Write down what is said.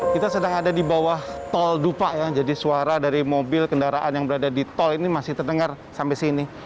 kita sedang ada di bawah tol dupa ya jadi suara dari mobil kendaraan yang berada di tol ini masih terdengar sampai sini